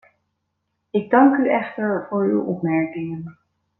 Ik dank u echter voor uw opmerkingen.